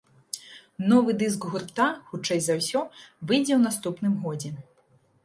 Новы дыск гурта, хутчэй за ўсё, выйдзе ў наступным годзе.